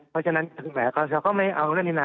เพราะฉะนั้นถึงแม้เขาไม่เอาเรื่องนี้นะ